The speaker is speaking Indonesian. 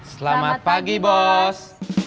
selamat pagi bos